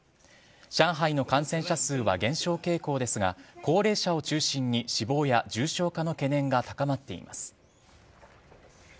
上海の感染者数は減少傾向ですが、高齢者を中心に死亡や重症化の懸念が高まっています。